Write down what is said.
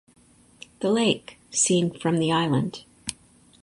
The lake seen from the island.